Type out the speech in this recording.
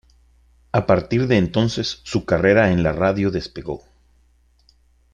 A partir de entonces su carrera en la radio despegó.